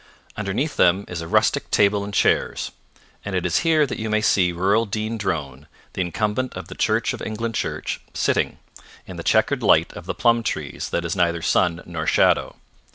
Underneath them is a rustic table and chairs, and it is here that you may see Rural Dean Drone, the incumbent of the Church of England Church, sitting, in the chequered light of the plum tress that is neither sun nor shadow.